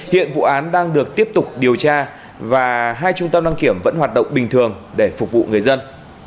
hiện vụ án đang được tiếp tục điều tra và hai trung tâm đăng kiểm vẫn hoạt động bình thường để phục vụ người dân